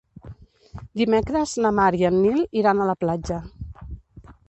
Dimecres na Mar i en Nil iran a la platja.